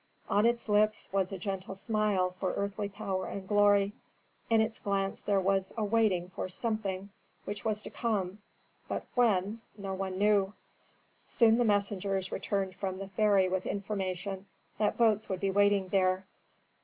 On its lips was a gentle smile for earthly power and glory; in its glance there was a waiting for something which was to come, but when no one knew. Soon the messengers returned from the ferry with information that boats would be waiting there.